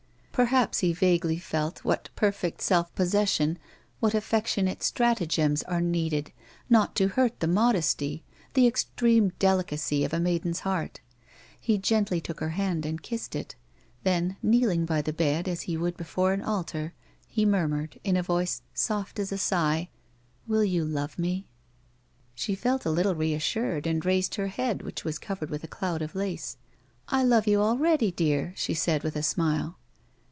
Perhaps he vaguely felt what perfect self possession, what affectionate stratagems are needed not to hurt the modesty, the extreme delicacy of a maiden's heart. He gently took her hand and kissed it ; then, kneeling by the bed as he would before an altai', he murmured, iu a voice soft as a sigh: " Will you love me ?" She felt a little reassured, and raised her head, which was covered with a cloud of lace. " I love you already, dear," she said, with a smile.